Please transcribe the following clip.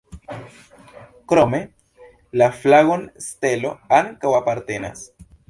Krome la flagon stelo ankaŭ apartenas.